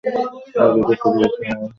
এটা শুরু হয়েছিল আমার মাতৃভূমি তে।